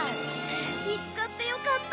見つかってよかった！